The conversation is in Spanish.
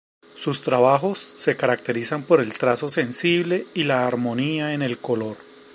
Sus trabajos se caracterizan por el trazo sensible y la armonía en el color.